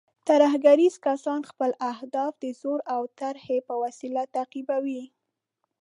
ترهګریز کسان خپل اهداف د زور او ترهې په وسیله تعقیبوي.